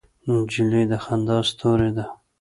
نجلۍ د خندا ستورې ده.